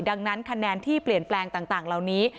ดังนั้นคะแนนที่เปลี่ยนแปลงต่างเหล่านี้